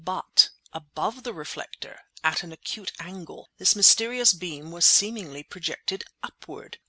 But above the reflector, at an acute angle, this mysterious beam was seemingly projected upward.